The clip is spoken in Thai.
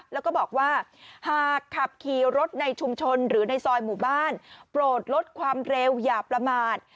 แล้วก็บอกว่าหากขับขี่รถในชุมชนหรือในซอยหมู่บ้านโปรดลดความเร็วอย่าประมาท